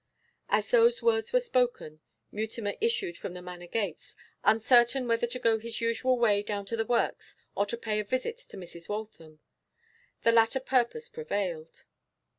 As those words were spoken Mutimer issued from the Manor gates, uncertain whether to go his usual way down to the works or to pay a visit to Mrs. Waltham. The latter purpose prevailed.